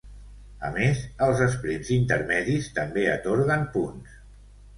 A més els esprints intermedis també atorguen punts.